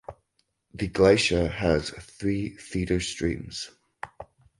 The glacier has three feeder streams.